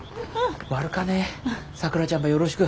悪かねさくらちゃんばよろしく。